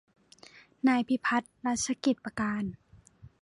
นายพิพัฒน์ รัชกิจประการ